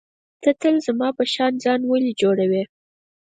ته تل زما په شان ځان ولي جوړوې.